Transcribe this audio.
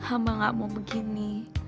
amba gak mau begini